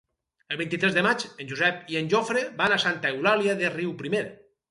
El vint-i-tres de maig en Josep i en Jofre van a Santa Eulàlia de Riuprimer.